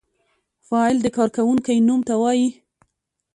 فاعل د کار کوونکی نوم ته وايي.